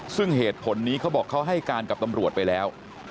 ซึ่งเหตุผลนี้เขาบอกเขาให้การกับตำรวจไปแล้ว